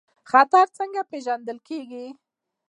خطر څنګه پیژندل کیږي؟